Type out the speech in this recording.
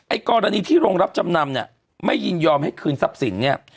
กรณีที่โรงรับจำนำเนี่ยไม่ยินยอมให้คืนทรัพย์สินเนี่ย